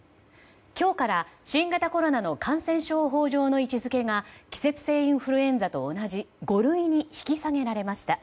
今日から新型コロナの感染症法上の位置付けが季節性インフルエンザと同じ５類に引き下げられました。